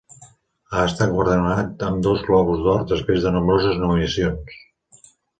Ha estat guardonat amb dos Globus d'Or després de nombroses nominacions.